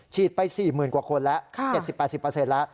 ไป๔๐๐๐กว่าคนแล้ว๗๐๘๐แล้ว